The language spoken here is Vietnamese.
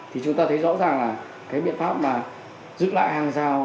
thì chúng ta thấy rõ ràng là cái biện pháp mà giữ lại hàng rào